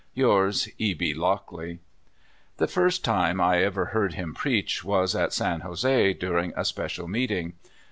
Yours, E. B. Lockley. The first time I ever heard him preach was at San Jose, during a special meeting.